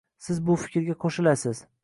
Siz bu fikrga qoʻshilasiz.